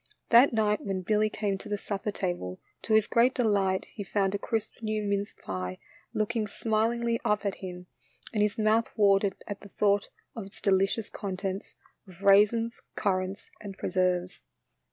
That night when Billy came to the supper table, to his great delight he found a crisp new mince pie looking smilingly up at him, and his mouth watered at the thought of its deli cious contents of raisins, currants, and pre serves.